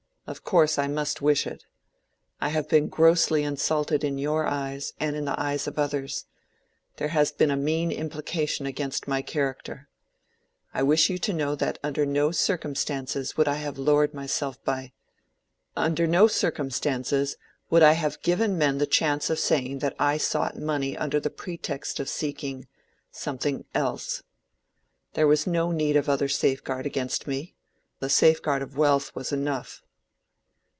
"Of course I must wish it. I have been grossly insulted in your eyes and in the eyes of others. There has been a mean implication against my character. I wish you to know that under no circumstances would I have lowered myself by—under no circumstances would I have given men the chance of saying that I sought money under the pretext of seeking—something else. There was no need of other safeguard against me—the safeguard of wealth was enough."